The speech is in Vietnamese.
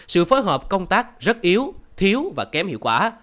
sự phối hợp công tác rất yếu thiếu và kém hiệu quả